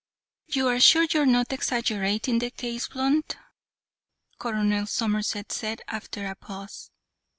"You are sure you are not exaggerating the case, Blunt?" Colonel Somerset said after a pause.